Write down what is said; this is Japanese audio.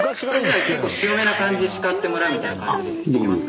結構強めな感じで叱ってもらうみたいな感じでできます？